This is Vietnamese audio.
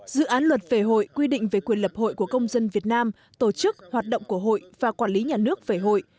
dự án luật về hội quy định về quyền lập hội của công dân việt nam tổ chức hoạt động của hội và quản lý nhà nước về hội